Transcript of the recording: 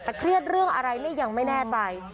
แต่เครียดเรื่องอะไรเนี่ยยังไม่แน่ใจ